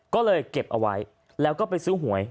ก็เลยเก็บเอาไว้แล้วก็ไปซื้อหวย